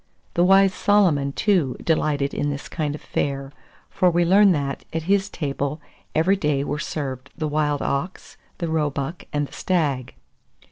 The wise Solomon, too, delighted in this kind of fare; for we learn that, at his table, every day were served the wild ox, the roebuck, and the stag.